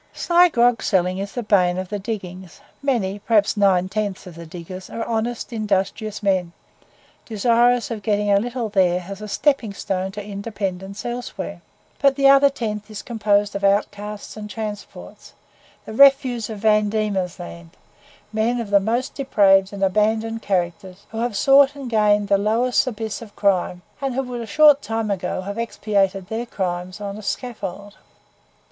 Sly grog selling is the bane of the diggings. Many perhaps nine tenths of the diggers are honest industrious men, desirous of getting a little there as a stepping stone to independence elsewhere; but the other tenth is composed of outcasts and transports the refuse of Van Diemen's Land men of the most depraved and abandoned characters, who have sought and gained the lowest abyss of crime, and who would a short time ago have expiated their crimes on a scaffold.